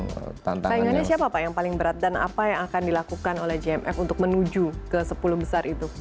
saingannya siapa pak yang paling berat dan apa yang akan dilakukan oleh jmf untuk menuju ke sepuluh besar itu